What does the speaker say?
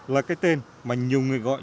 là cái tên mà nhiều người gọi